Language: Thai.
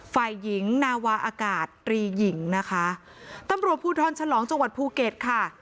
ฝ่ายหญิงนาวาอากาศตรีหญิงนะคะตำรวจภูทรฉลองจังหวัดภูเก็ตค่ะ